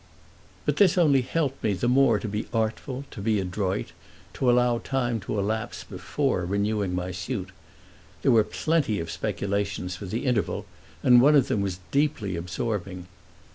But this only helped me the more to be artful, to be adroit, to allow time to elapse before renewing my suit. There were plenty of speculations for the interval, and one of them was deeply absorbing.